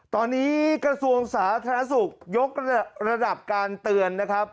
ตอนนี้กระทรวงสาธารณสุขยกระดับการเตือนนะครับ